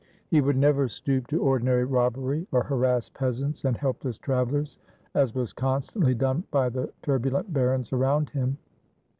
He would never stoop to ordinary robbery, or harass peasants and helpless travelers, as was constantly done by the turbu lent barons around him.